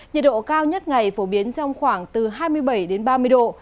nhiệt độ cao nhất ngày phổ biến trong khoảng từ hai mươi bảy đến ba mươi độ